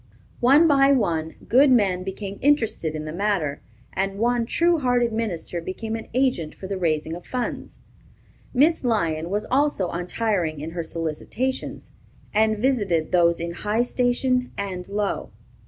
One by one, good men became interested in the matter, and one true hearted minister became an agent for the raising of funds. Miss Lyon was also untiring in her solicitations. She spoke before ladies' meetings, and visited those in high station and low.